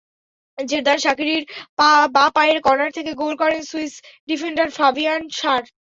Xherdan শাকিরির বাঁ পায়ের corner থেকে গোল করেন সুইস ডিফেন্ডার ফাবিয়ান শার।